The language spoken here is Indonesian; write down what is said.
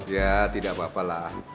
ya tidak apa apa lah